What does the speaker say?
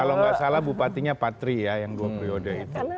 kalau nggak salah bupatinya patri ya yang dua periode itu